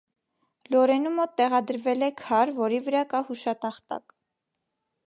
Լորենու մոտ տեղադրվել է քար, որի վրա կա հուշատախտակ։